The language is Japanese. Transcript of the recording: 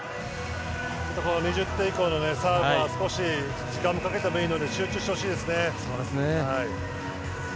２０点以降のサーブは時間をかけてもいいので集中してほしいですね。